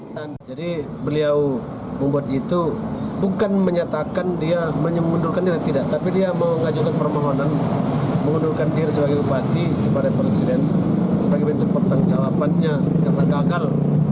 saya berterima kasih kepada presiden sebagai bentuk pertanggung jawabannya karena gagal